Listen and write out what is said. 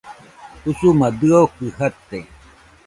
Usuma dɨokɨ jate.